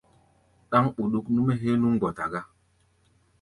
Ɗáŋ ɓuɗuk nú-mɛ́ héé nú mgbɔta gá.